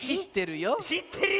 しってるよ。